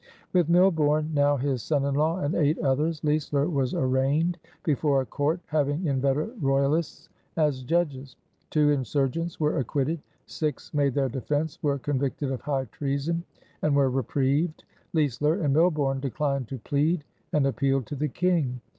With Milborne, now his son in law, and eight others, Leisler was arraigned before a court having inveterate royalists as judges. Two insurgents were acquitted. Six made their defense, were convicted of high treason, and were reprieved. Leisler and Milborne declined to plead and appealed to the King.